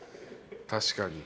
確かに。